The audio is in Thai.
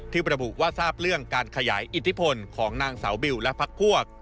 ประบุว่าทราบเรื่องการขยายอิทธิพลของนางสาวบิวและพักพวก